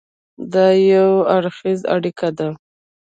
دا یو دوه اړخیزه اړیکه ده.